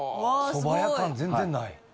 ・そば屋感全然ない・